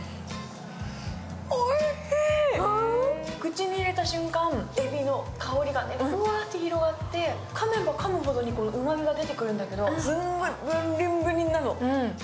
口に入れた瞬間、エビの香りがふわって広がってかめばかむほどにうまみが出てくるんだけどすんごいブリンブリンなの。